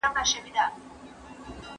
د ناروغۍ نښې کانګې، کم اشتها او پاړسوب دي.